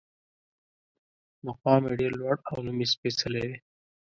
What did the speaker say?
مقام یې ډېر لوړ او نوم یې سپېڅلی دی.